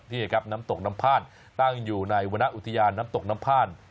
นี่ครับน้ำตกน้ำพ่านตั้งอยู่ในวรรณอุทยานน้ำตกน้ำพ่าน